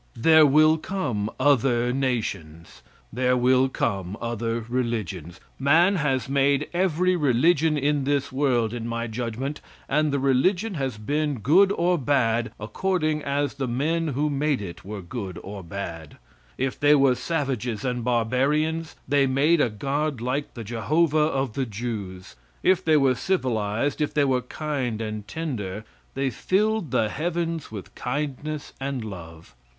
There will come other nations; there will come other religions. Man has made every religion in this world, in my judgment, and the religion, has been good or bad according as the men who made it were good or bad. If they were savages and barbarians, they made a God like the Jehovah of the Jews; if they were civilized, if they were kind and tender, they filled the heavens with kindness and love.